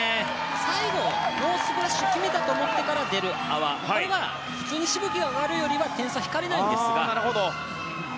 最後、ノースプラッシュ決めたと思ってから出る泡が、しぶきが上がるよりは点数は引かれないんですが。